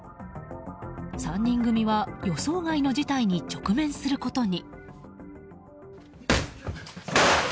３人組は予想外の事態に直面することに。